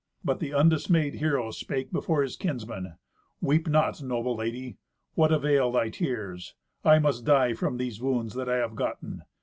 But the undismayed hero spake before his kinsmen, "Weep not, noble lady. What avail thy tears? I must die from these wounds that I have gotten.